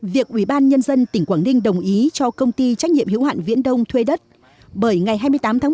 việc ubnd tỉnh quảng ninh đồng ý cho công ty trách nhiệm hữu hạn viễn thông là chủ đầu tư với số vốn đăng ký là hơn một trăm năm mươi tỷ đồng